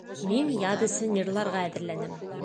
Мин яҙ өсөн йырларға әҙерләнәм.